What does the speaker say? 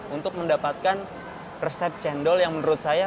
untuk mendapatkan resep cendol yang menurut saya